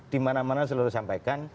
di mana mana selalu sampaikan